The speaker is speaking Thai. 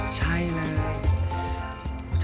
ใช่เลย